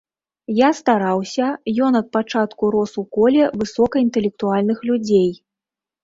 Я стараўся, ён ад пачатку рос ў коле высокаінтэлектуальных людзей.